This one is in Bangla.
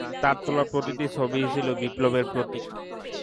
তার তোলা প্রতিটি ছবিই ছিল বিপ্লবের প্রতীক।